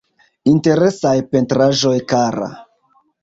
Interesaj pentraĵoj, kara.